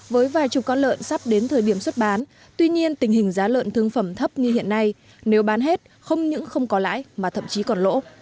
với vài chục con lợn sắp đến thời điểm xuất bán tuy nhiên tình hình giá lợn thương phẩm thấp như hiện nay nếu bán hết không những không có lãi mà thậm chí còn lỗ